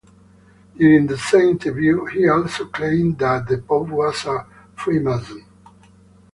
During the same interview, he also claimed that the Pope was a Freemason.